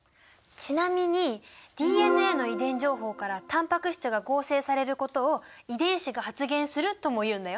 ちなみにＤＮＡの遺伝情報からタンパク質が合成されることを「遺伝子が発現する」ともいうんだよ！